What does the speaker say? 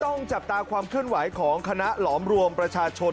ต้องจับตาความเคลื่อนไหวของคณะหลอมรวมประชาชน